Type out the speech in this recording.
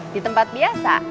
di tempat biasa